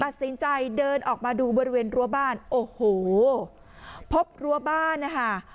เดินออกมาดูบริเวณรั้วบ้านโอ้โหพบรั้วบ้านนะคะ